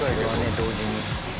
同時に。